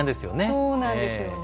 そうなんですよね。